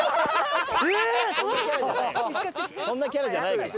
そんなキャラじゃないから。